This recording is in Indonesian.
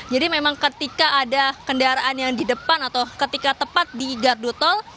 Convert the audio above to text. jadi memang ketika ada kendaraan yang di depan atau ketika tepat di gardu tol